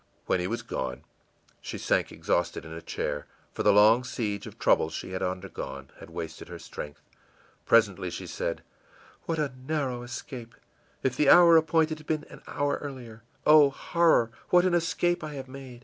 î When he was gone, she sank exhausted in a chair, for the long siege of troubles she had undergone had wasted her strength. Presently she said, ìWhat a narrow escape! If the hour appointed had been an hour earlier Oh, horror, what an escape I have made!